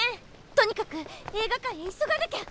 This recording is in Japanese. とにかく映画館へ急がなきゃ。